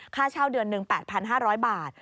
ค่าเช่าเดือนหนึ่ง๘๕๐๐บาท